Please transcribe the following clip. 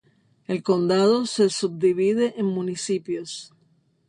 El condado se subdivide en municipios.